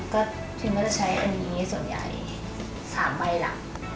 ก็พิมก็จะใช้อันนี้ส่วนใหญ่๓ใบล่ะ